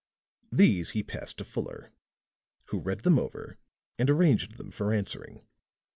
These he passed to Fuller, who read them over and arranged them for answering.